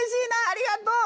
ありがとう！